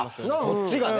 こっちがね。